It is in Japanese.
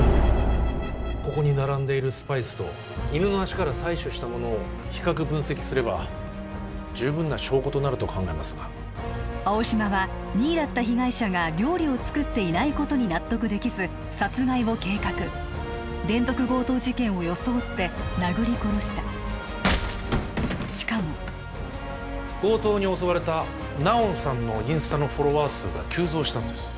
ここに並んでいるスパイスと犬の足から採取したものを比較分析すれば十分な証拠となると考えますが青嶌は２位だった被害者が料理を作っていないことに納得できず殺害を計画連続強盗事件を装って殴り殺したしかも強盗に襲われたナオンさんのインスタのフォロワー数が急増したんです